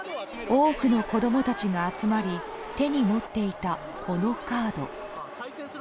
多くの子供たちが集まり手に持っていた、このカード。